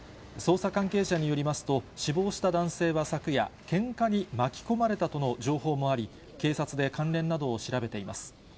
捜査関係者によりますと、死亡した男性は昨夜、けんかに巻き込まれたとの情報もあり、警察で関連などを調べています。